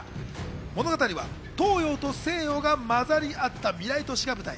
物語は東洋と西洋が混ざり合った未来都市が舞台。